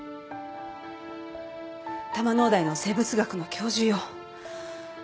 多摩農大の生物学の教授よ。